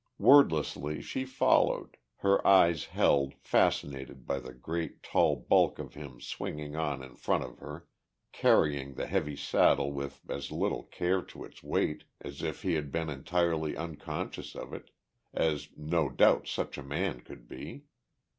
Wordlessly she followed, her eyes held, fascinated by the great, tall bulk of him swinging on in front of her, carrying the heavy saddle with as little care to its weight as if he had been entirely unconscious of it, as no doubt such a man could be.